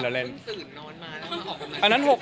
อ่ะพึ่งตื่นนอนมาแล้ว